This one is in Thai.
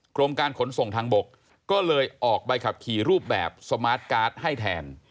กรมการขนส่งทางบกก็เลยออกใบขับขี่รูปแบบสมาร์ทการ์ดให้แทน